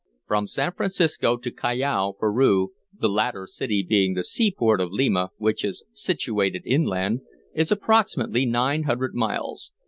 From San Francisco to Callao, Peru (the latter city being the seaport of Lima, which is situated inland), is approximately nine hundred miles.